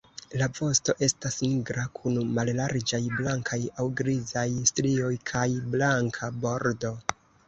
La vosto estas nigra kun mallarĝaj blankaj aŭ grizaj strioj kaj blanka bordo.